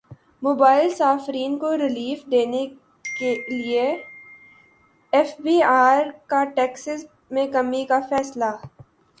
mobile صارفین کو relief دینے کیلئے ایف بی ار کا ٹیکسز میں کمی کا فیصلہ